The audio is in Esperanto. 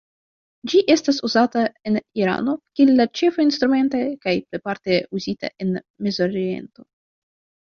Ĝi estas uzata en Irano kiel la ĉefa instrumento kaj plejparte uzita en Mezoriento.